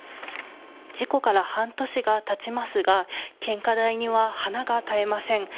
事故から半年がたちますが献花台には花が絶えません。